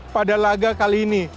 pada laga kali ini